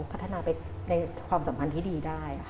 พัฒนาไปในความสัมพันธ์ที่ดีได้